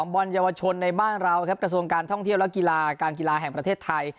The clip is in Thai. บอลเยาวชนในบ้านเราครับกระทรวงการท่องเที่ยวและกีฬาการกีฬาแห่งประเทศไทย